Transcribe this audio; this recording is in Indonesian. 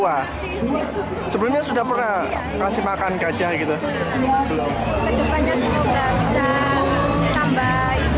" dua sebelumnya sudah pernah berikan saj networks makanan ke gajah